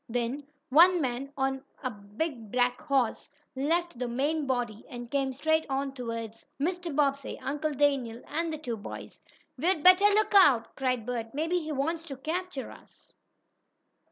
Then one man, on a big black horse, left the main body and came straight on toward Mr. Bobbsey, Uncle Daniel, and the two boys. "We'd better look out!" cried Bert "Maybe he wants to capture us!"